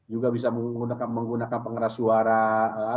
juga bisa menggunakan pengeras suara ala di tepang